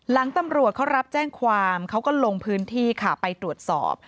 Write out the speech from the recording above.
หลังตำรวจเขารับแจ้งความเขาก็ลงพื้นที่ค่ะไปตรวจสอบ